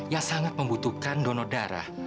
yang sangat membutuhkan donor darah